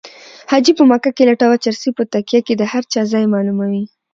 حاجي په مکه کې لټوه چرسي په تکیه کې د هر چا ځای معلوموي